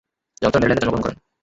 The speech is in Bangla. জনসন মেরিল্যান্ডে জন্মগ্রহণ করেন।